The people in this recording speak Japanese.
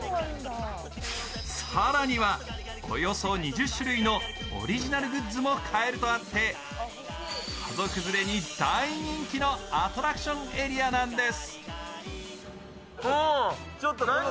更にはおよそ２０種類のオリジナルグッズも買えるとあって家族連れに大人気のアトラクションエリアなんです。